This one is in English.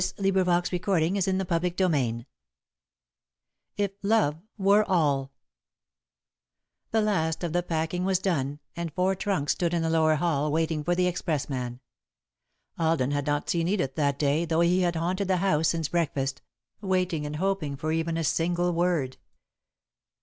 XIX If Love Were All [Sidenote: When the Shadows Lengthen] The last of the packing was done, and four trunks stood in the lower hall, waiting for the expressman. Alden had not seen Edith that day, though he had haunted the house since breakfast, waiting and hoping for even a single word.